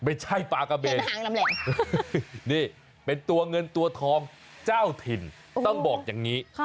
ไม่ใช่ปลากระเบนหางนี่เป็นตัวเงินตัวทองเจ้าถิ่นต้องบอกอย่างนี้